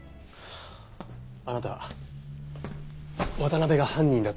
あなた渡辺が犯人だといつ気づいたんです？